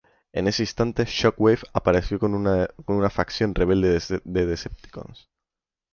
En ese instante, Shockwave apareció con una facción rebelde de Decepticons.